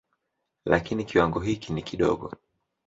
Lakini kiwango hiki ni kidogo.